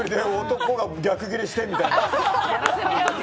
男が逆ギレしてみたいな。